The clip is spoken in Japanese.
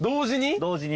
同時に。